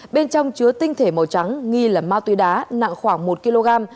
bên trong chứa tinh thể màu trắng nghi là mao tuy đá nặng khoảng một kg